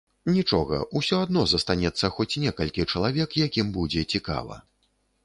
Нічога, усё адно застанецца хоць некалькі чалавек, якім будзе цікава.